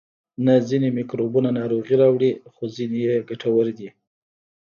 نه ځینې میکروبونه ناروغي راوړي خو ځینې یې ګټور دي